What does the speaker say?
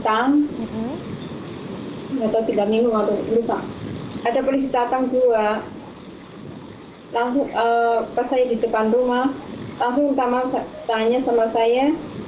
ada berita tangguh guak hai langsung pas saya di depan rumah langsung tamat tanya sama saya